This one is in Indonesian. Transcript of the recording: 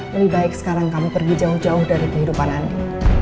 lebih baik sekarang kami pergi jauh jauh dari kehidupan anda